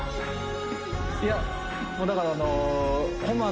いやだからあのホンマ